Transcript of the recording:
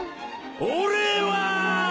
俺は！